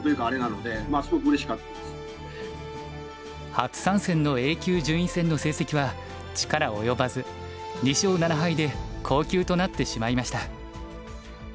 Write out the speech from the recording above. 初参戦のＡ級順位戦の成績は力及ばず２勝７敗で降級となってしまいました。